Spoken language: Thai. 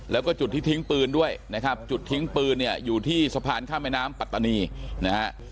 แล้วก็จุดที่ทิ้งปืนด้วยนะครับจุดทิ้งปืนเนี่ยอยู่ที่สะพานข้ามแม่น้ำปัตตานีนะฮะ